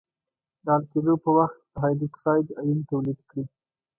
د حل کېدو په وخت د هایدروکساید آیون تولید کړي.